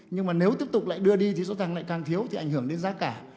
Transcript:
nhưng mà nếu tiếp tục lại đưa đi thì số vàng lại càng thiếu thì ảnh hưởng đến giá cả